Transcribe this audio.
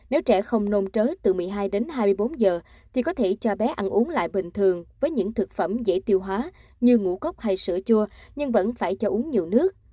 nếu trẻ không nôn trới từ một mươi hai đến hai mươi bốn giờ thì có thể cho bé ăn uống lại bình thường với những thực phẩm dễ tiêu hóa như ngũ cốc hay sữa chua nhưng vẫn phải cho uống nhiều nước